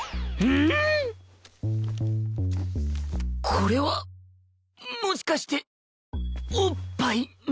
これはもしかしておっぱいなのでは